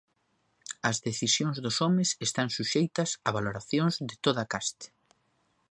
As decisións dos homes están suxeitas a valoracións de toda caste.